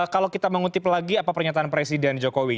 kalau kita mengutip lagi apa pernyataan presiden jokowi